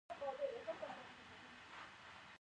ایا ستاسو عمر اوږد نه دی؟